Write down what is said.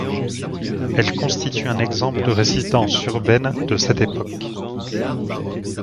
Elle constitue un exemple de résidence urbaine de cette époque.